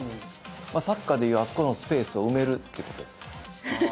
サッカーで言うあそこのスペースを埋めるってことですよ。